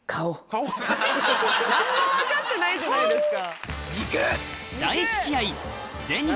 何も分かってないじゃないですか。